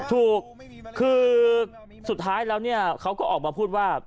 ถูกคือสุดท้ายแล้วเนี่ยเขาก็ออกมาพูดว่า